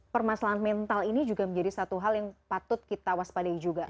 permasalahan mental ini juga menjadi satu hal yang patut kita waspadai juga